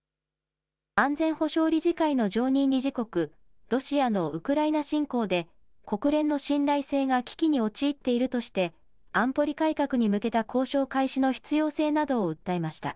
安全保障理事会の常任理事国、ロシアのウクライナ侵攻で、国連の信頼性が危機に陥っているとして、安保理改革に向けた交渉開始の必要性などを訴えました。